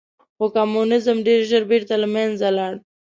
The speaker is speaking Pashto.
خو کمونیزم ډېر ژر بېرته له منځه لاړ.